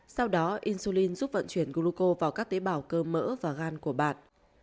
sau đó insulin giúp vận chuyển gluco vào các tế bảo cơ mỡ và gan của bạn